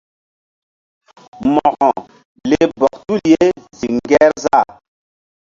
Mo̧ko leh bɔk tul ye ziŋ Ŋgerzah.